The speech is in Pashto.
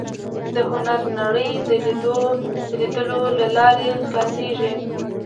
د هنر نړۍ د لیدلو له لارې خلاصېږي